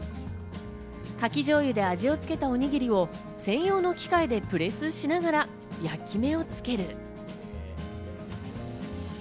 かき醤油で味をつけたおにぎりを専用の機械でプレスしながら焼き目をつける。